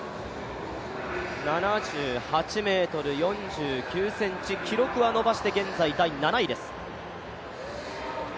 ７８ｍ４９ｃｍ、記録は伸ばして、現在第７位です。